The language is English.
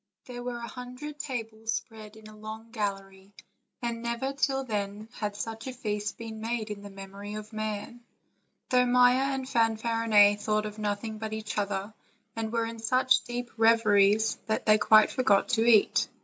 There were a hundred tables spread in a long gallery, and never till then had such a feast been made in the memory of man, though Maia and Fanfarinet thought of nothing but each other, and were in such deep reveries that they quite for got to eat.